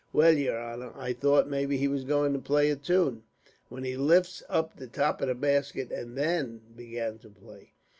Well, yer honor, I thought maybe he was going to play a tune, when he lifts up the top of the basket and then began to play.